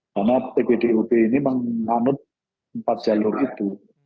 karena ppdb ini menganut empat jalur itu